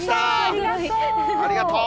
ありがとう。